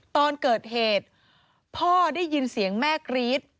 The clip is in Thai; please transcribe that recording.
ตอนเกิดเหตุพ่อได้ยินเสียงแม่กรี๊ด